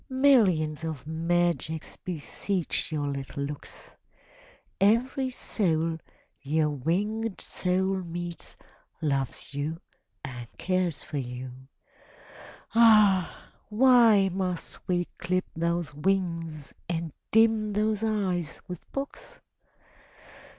Millions of magics beseech your little looks; Every soul your winged soul meets, loves you and cares for you. Ah! why must we clip those wings and dim those eyes with books?